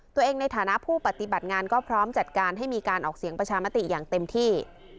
ในฐานะผู้ปฏิบัติงานก็พร้อมจัดการให้มีการออกเสียงประชามติอย่างเต็มที่